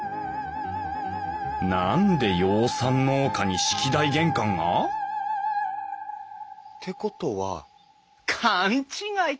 何で養蚕農家に式台玄関が！？ってことは勘違いか。